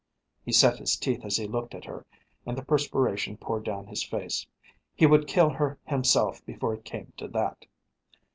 He set his teeth as he looked at her and the perspiration poured down his face. He would kill her himself before it came to that.